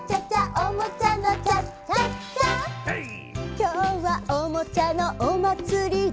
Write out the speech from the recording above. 「きょうはおもちゃのおまつりだ」